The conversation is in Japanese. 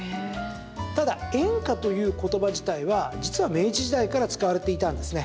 ただ、演歌という言葉自体は実は明治時代から使われていたんですね。